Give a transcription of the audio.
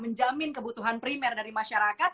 menjamin kebutuhan primer dari masyarakat